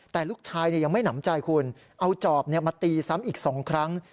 แต่ลูกชายยังไม่หนำใจคุณเอาจอบมาตีซ้ำอีก๒ครั้ง